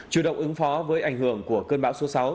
chủ động ứng phó với ảnh hưởng của cơn bão số sáu